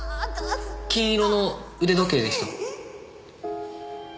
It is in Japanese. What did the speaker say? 金色の腕時計でした。